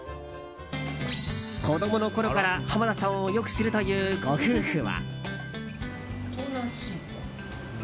子供のころから、濱田さんをよく知るというご夫婦は。